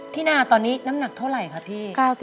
นาตอนนี้น้ำหนักเท่าไหร่คะพี่